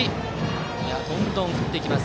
どんどん振っていきます